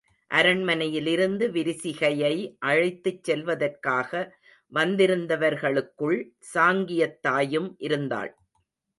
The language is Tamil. அரண்மனையிலிருந்து விரிசிகையை அழைத்துச் செல்வதற்காக வந்திருந்தவர்களுக்குள் சாங்கியத்தாயும் இருந்தாள்.